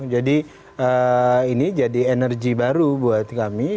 jadi ini jadi energi baru buat kami